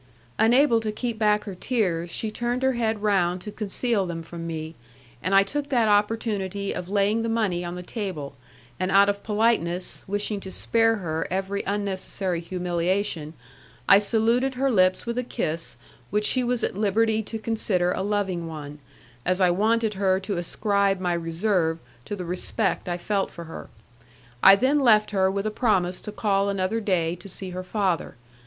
Unable to keep back her tears, she turned her head round to conceal them from me, and I took that opportunity of laying the money on the table, and out of politeness, wishing to spare her every unnecessary humiliation, I saluted her lips with a kiss which she was at liberty to consider a loving one, as I wanted her to ascribe my reserve to the respect I felt for her. I then left her with a promise to call another day to see her father.